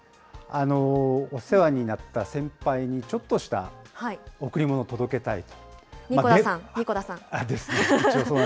お世話になった先輩にちょっとした贈り物届けたい。